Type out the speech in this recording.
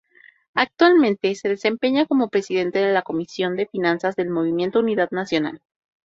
Actualmente, se desempeña como presidente de la Comisión de Finanzas del movimiento Unidad Nacional.